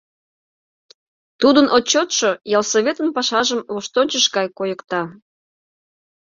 Тудын отчётшо ялсоветын пашажым воштончыш гай койыкта.